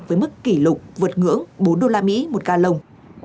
với mức kỷ lục vượt ngưỡng bốn đô la mỹ một ca lồng